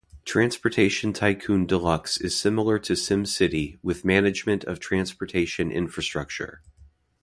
Transportation Tycoon Deluxe is similar to SimCity, with management of transportation infrastructure.